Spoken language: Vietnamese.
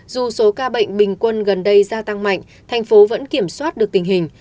dù số ca bệnh bình quân gần đây gia tăng mạnh thành phố vẫn kiểm soát được tình hình